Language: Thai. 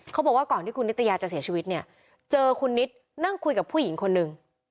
เขาบอกว่าก่อนที่คุณนิตยาจะเสียชีวิตเนี่ยเจอคุณนิดนั่งคุยกับผู้หญิงคนหนึ่ง